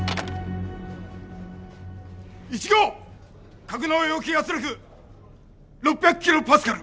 １号格納容器圧力６００キロパスカル。